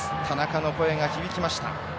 「田中！」の声が響きました。